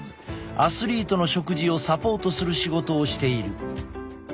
アスリートの食事をサポートする仕事をしている。